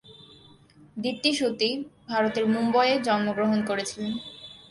দীপ্তি সতী ভারতের মুম্বইয়ে জন্মগ্রহণ করেছিলেন।